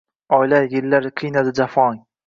Oylar, yillar qiynadi jafong